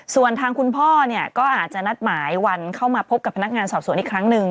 ส่วนทางคุณพ่อเนี่ยก็อาจจะนัดหมายวันเข้ามาพบกับพนักงานสอบสวนอีกครั้งหนึ่ง